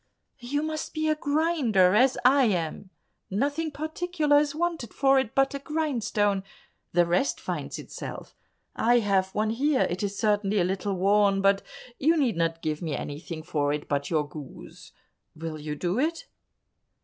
"You must be a grinder, as I am; nothing particular is wanted for it but a grindstone, the rest finds itself. I have one here; it is certainly a little worn, but you need not give me anything for it but your goose; will you do it?"